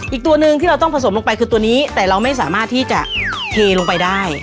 อีกตัวหนึ่งที่เราต้องผสมลงไปคือตัวนี้แต่เราไม่สามารถที่จะเทลงไปได้